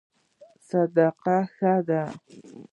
صداقت ښه دی.